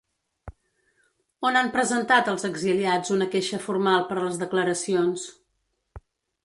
On han presentat els exiliats una queixa formal per les declaracions?